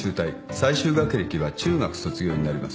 最終学歴は中学卒業になります。